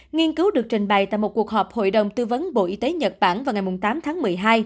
nghiên cứu được trình bày tại một cuộc họp hội đồng tư vấn bộ y tế nhật bản vào ngày tám tháng một mươi hai